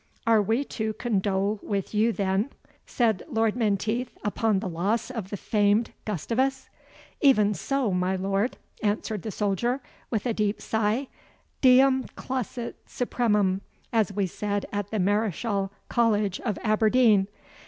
"Are we to condole with you then," said Lord Menteith, "upon the loss of the famed Gustavus?" "Even so, my lord," answered the soldier, with a deep sigh, "DIEM CLAUSIT SUPREMUM, as we said at the Mareschal College of Aberdeen.